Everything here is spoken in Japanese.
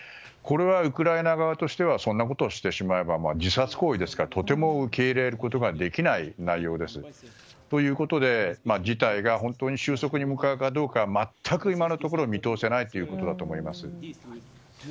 これはウクライナ側としてはそんなことをしてしまえば自殺行為ですからとても受け入れることができない内容です。ということで、事態が本当に終息に向かうかどうか全く今のところ見通せないということだと思います。